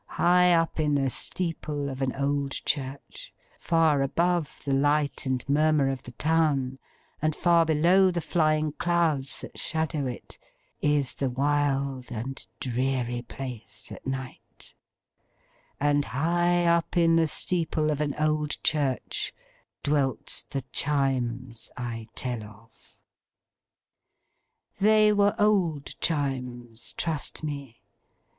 High up in the steeple of an old church, far above the light and murmur of the town and far below the flying clouds that shadow it, is the wild and dreary place at night: and high up in the steeple of an old church, dwelt the Chimes I tell of. They were old Chimes, trust me.